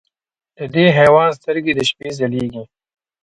د دې حیوان سترګې د شپې ځلېږي.